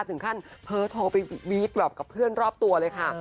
ถึงขั้นเพ้อโทรไปบี๊ดแบบกับเพื่อนรอบตัวเลยค่ะ